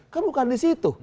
kan bukan di situ